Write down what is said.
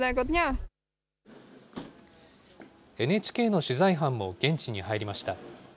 ＮＨＫの取材班も現地に入りました。